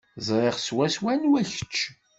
Ẓriɣ swaswa anwa kečč.